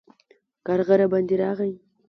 کارغه راباندې راغی